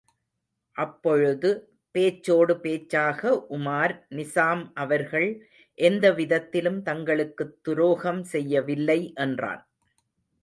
அப்பொழுது பேச்சோடு பேச்சாக உமார், நிசாம் அவர்கள் எந்தவிதத்திலும் தங்களுக்குத் துரோகம் செய்யவில்லை என்றான்.